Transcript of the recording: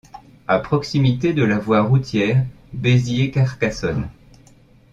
À proximité de la voie routière Béziers-Carcassonne.